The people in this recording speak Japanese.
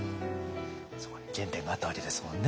そこに原点があったわけですもんね。